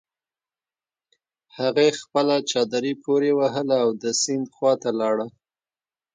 هغې خپله چادري پورې وهله او د سيند خواته لاړه.